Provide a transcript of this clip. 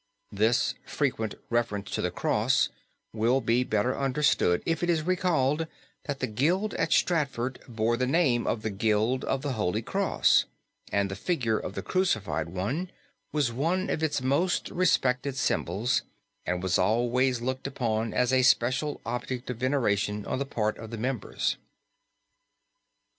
This frequent reference to the Cross will be better understood if it is recalled that the Guild at Stratford bore the name of the Guild of the Holy Cross, and the figure of the crucified One was one of its most respected symbols and was always looked upon as a special object of veneration on the part of the members.